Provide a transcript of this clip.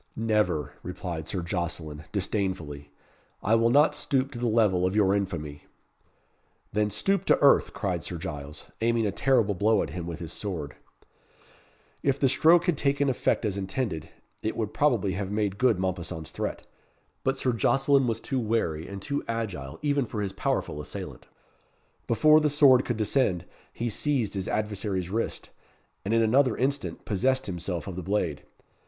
"Never," replied Sir Jocelyn, disdainfully. "I will not stoop to the level of your infamy." "Then stoop to earth," cried Sir Giles, aiming a terrible blow at him with his sword. If the stroke had taken effect as intended, it would probably have made good Mompesson's threat, but Sir Jocelyn was too wary and too agile even for his powerful assailant. Before the sword could descend, he seized his adversary's wrist, and in another instant possessed himself of the blade.